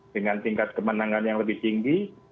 dengan tingkat kemenangan yang lebih tinggi